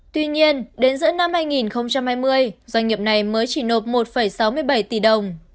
tuy nhiên đến giữa năm hai nghìn hai mươi doanh nghiệp này mới chỉ nộp một sáu mươi bảy tỷ đồng